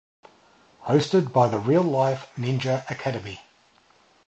Hosted by the Real Life Ninja Academy.